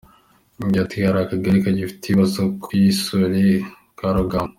Yagize ati “Hari akagari kagifite ibibazo by’isuri ka Rugamba.